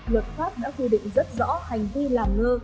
luật pháp đã quy định rất rõ hành vi làm ngơ